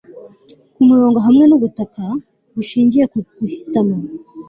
kumurongo hamwe nubutaka bushingiye ku guhitamo